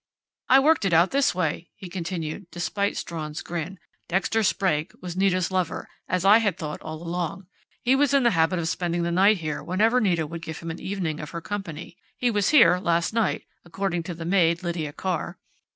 "I worked it out this way," he continued, despite Strawn's grin. "Dexter Sprague was Nita's lover, as I had thought all along. He was in the habit of spending the night here whenever Nita would give him an evening of her company. He was here last night, according to the maid, Lydia Carr.